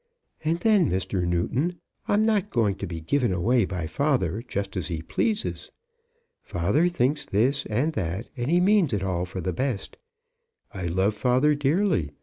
"And then, Mr. Newton, I'm not going to be given away by father just as he pleases. Father thinks this and that, and he means it all for the best. I love father dearly.